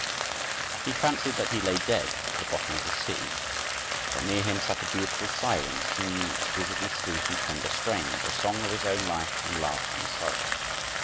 He fancied that he lay dead at the bottom of the sea; that near him sat a beautiful siren singing in exquisitely sweet and tender strains, a song of his own life and love and sorrow.